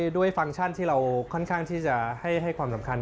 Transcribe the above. ฟังก์ชั่นที่เราค่อนข้างที่จะให้ความสำคัญ